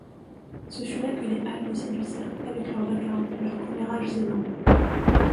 Ce fut là que les Halles le séduisirent, avec leur vacarme, leurs commérages énormes.